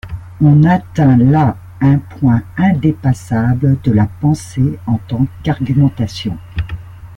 On atteint là un point indépassable de la pensée en tant qu'argumentation.